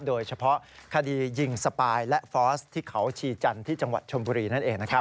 โดยเฉพาะคดียิงสปายและฟอสที่เขาชีจันทร์ที่จังหวัดชมบุรีนั่นเองนะครับ